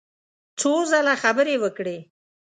څو ځله خبرې وکړې.